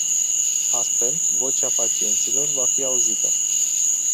Astfel, "vocea pacienților” va fi auzită.